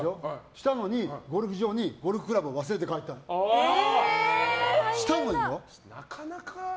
したのに、ゴルフ場にゴルフクラブを忘れて帰ったんです。